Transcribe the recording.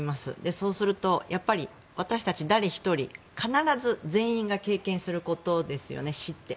そうするとやっぱり私たち誰一人必ず全員が経験することですよね、死って。